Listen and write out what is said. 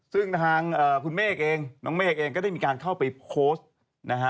ซึ่งทางคุณเมฆเองน้องเมฆเองก็ได้มีการเข้าไปโพสต์นะฮะ